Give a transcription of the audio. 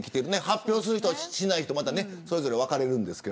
発表する人、しない人それぞれ分かれますが。